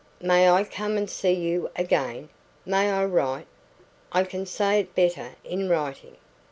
"May I come and see you again? May I write? I can say it better in writing."